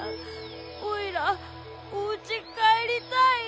おいらおうちかえりたいよ。